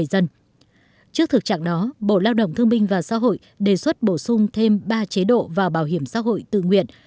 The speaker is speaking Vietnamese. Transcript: trước thực trạng đó bộ lao động thương minh và xã hội đề xuất bổ sung thêm ba chế độ vào bảo hiểm xã hội tự nguyện